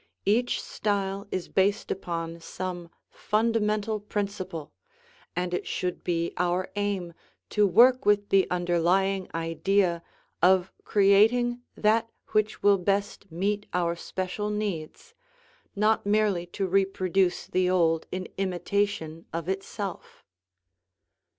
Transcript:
Each style is based upon some fundamental principle, and it should be our aim to work with the underlying idea of creating that which will best meet our special needs, not merely to reproduce the old in imitation of itself.